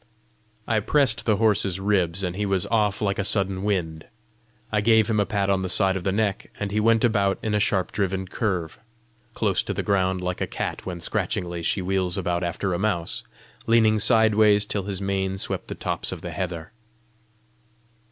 I pressed the horse's ribs, and he was off like a sudden wind. I gave him a pat on the side of the neck, and he went about in a sharp driven curve, "close to the ground, like a cat when scratchingly she wheels about after a mouse," leaning sideways till his mane swept the tops of the heather.